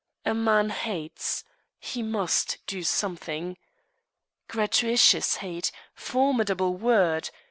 A man hates he must do something. Gratuitous hate formidable word!